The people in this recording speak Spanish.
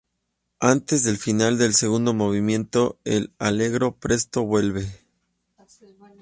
Antes del final del segundo movimiento, el "allegro presto" vuelve.